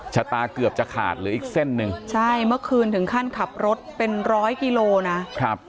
ชะตาเกือบจะขาดเหลืออีกเส้นหนึ่งใช่เมื่อคืนถึงขั้นขับรถเป็นร้อยกิโลนะครับ